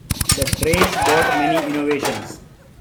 The trains brought many innovations.